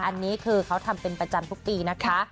อันนี้คือเขาทำเป็นประจำทุกปีนะคะ